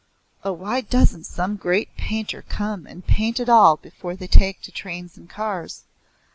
Oh, why doesn't some great painter come and paint it all before they take to trains and cars?